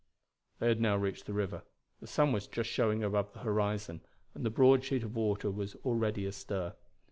They had now reached the river. The sun was just showing above the horizon, and the broad sheet of water was already astir.